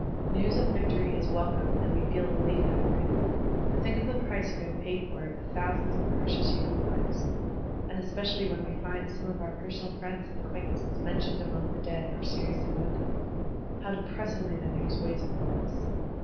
News of victory is welcome and we feel elated over it. But think of the price we have paid for it with thousands of precious human lives. And especially when we find some of our personal friends and acquaintances mentioned among the dead or seriously wotmded, how depressingly the news weighs upon us!